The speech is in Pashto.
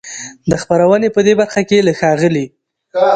د خپرونې په دې برخه کې له ښاغلي